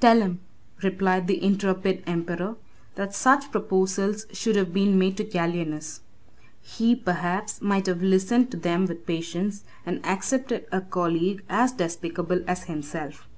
"Tell him," replied the intrepid emperor, "that such proposals should have been made to Gallienus; he, perhaps, might have listened to them with patience, and accepted a colleague as despicable as himself."